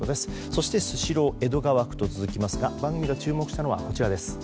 そしてスシロー江戸川区と続きますが番組が注目したのはこちらです。